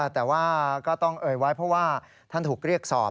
แต่ว่าก็ต้องเอ่ยไว้เพราะว่าท่านถูกเรียกสอบ